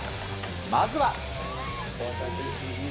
まずは。